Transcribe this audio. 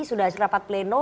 sudah terdapat pleno